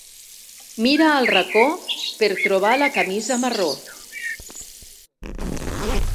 Mira al racó per trobar la camisa marró.